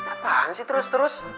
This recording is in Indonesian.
apaan sih terus terus